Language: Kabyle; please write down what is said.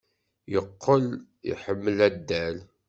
Yeqqel iḥemmel addal.